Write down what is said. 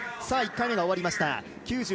１回目が終わりました。